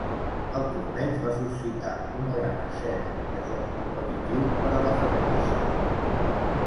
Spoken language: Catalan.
El torneig va suscitar una gran escena de joc competitiu per a la franquícia.